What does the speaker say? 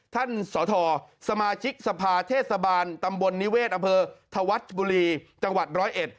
สทสมาชิกสภาเทศบาลตำบลนิเวศอำเภอธวัชบุรีจังหวัดร้อยเอ็ด